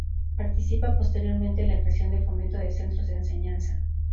Participa posteriormente en la creación de Fomento de Centros de Enseñanza.